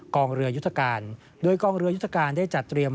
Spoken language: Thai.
กองเรือยุทธการโดยกองเรือยุทธการได้จัดเตรียม